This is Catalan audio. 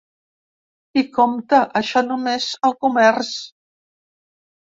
I, compte, això només al comerç.